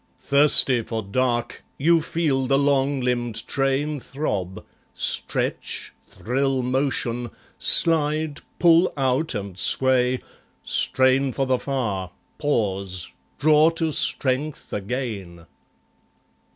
Thirsty for dark, you feel the long limbed train Throb, stretch, thrill motion, slide, pull out and sway, Strain for the far, pause, draw to strength again.